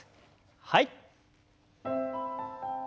はい。